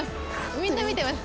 みんな見てます。